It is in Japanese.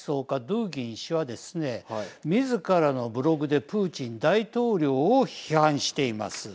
ドゥーギン氏はですねみずからのブログでプーチン大統領を批判しています。